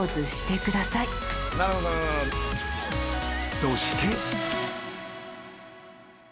［そして］